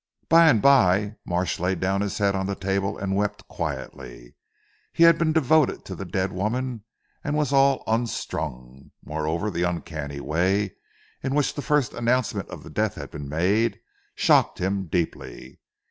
By and bye Marsh laid down his head on the table and wept quietly. He had been devoted to the dead woman and was all unstrung. Moreover the uncanny way in which the first announcement of the death had been made, shocked him deeply.